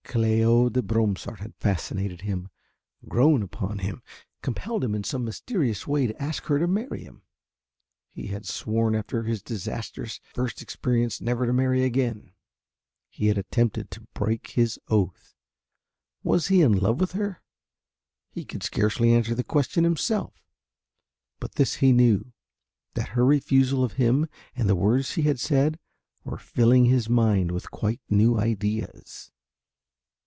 Cléo de Bromsart had fascinated him, grown upon him, compelled him in some mysterious way to ask her to marry him. He had sworn after his disastrous first experience never to marry again. He had attempted to break his oath. Was he in love with her? He could scarcely answer that question himself. But this he knew, that her refusal of him and the words she had said were filling his mind with quite new ideas.